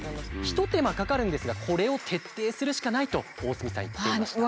一手間かかるんですがこれを徹底するしかないと大角さん言っていました。